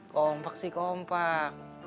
kompak sih kompak